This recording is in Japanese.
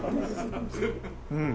うん。